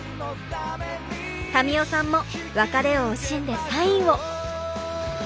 民生さんも別れを惜しんでサインを。